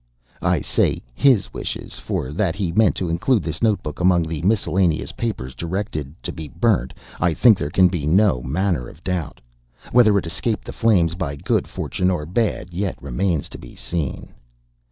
I say 'his wishes,' for that he meant to include this note book among the miscellaneous papers directed 'to be burnt,' I think there can be no manner of doubt. Whether it escaped the flames by good fortune or by bad, yet remains to be seen.